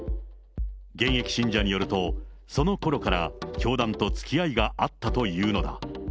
現役信者によると、そのころから教団とつきあいがあったというのだ。